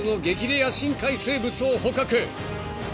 レア深海生物を捕獲］